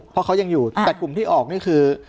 เพราะเขายังอยู่แต่กลุ่มที่ออกนี่คือ